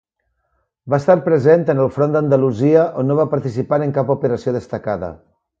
Va estar present en el front d'Andalusia, on no va participar en cap operació destacada.